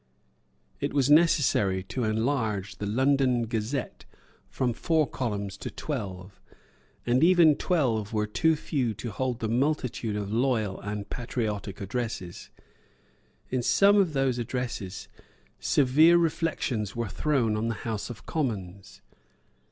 It was necessary to enlarge the "London Gazette" from four columns to twelve; and even twelve were too few to hold the multitude of loyal and patriotic addresses. In some of those addresses severe reflections were thrown on the House of Commons.